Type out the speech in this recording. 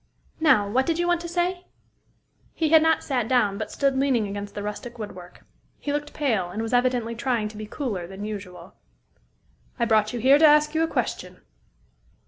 Now, what did you want to say?" He had not sat down, but stood leaning against the rustic wood work. He looked pale, and was evidently trying to be cooler than usual. "I brought you here to ask you a question."